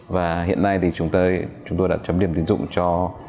và hiện nay thì chúng tôi đã chấm điểm tín dụng cho bốn trăm bảy mươi sáu